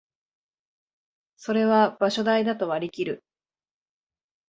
それは場所代だと割りきる